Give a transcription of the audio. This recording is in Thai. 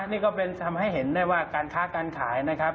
นี่ก็เป็นทำให้เห็นได้ว่าการค้าการขายนะครับ